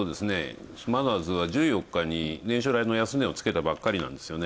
マザーズは１４日に年初来の安値をつけたばっかりなんですよね。